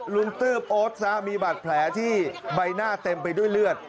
ตืบโอ๊ตซะมีบาดแผลที่ใบหน้าเต็มไปด้วยเลือด